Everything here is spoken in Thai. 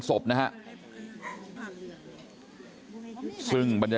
พ่อขอบคุณครับ